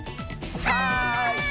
はい！